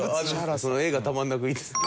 その絵がたまらなくいいです。